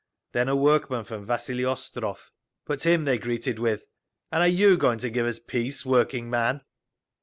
Then a workman from Vasili Ostrov, but him they greeted with, "And are you going to give us peace, working man?"